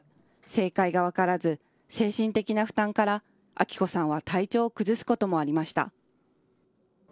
正解が分からず、精神的な負担から、明子さんは体調を崩すこともありました。